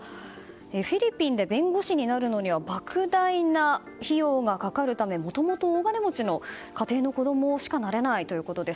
フィリピンで弁護士になるのには莫大な費用がかかるためもともと大金持ちの家庭の子供しかなれないということです。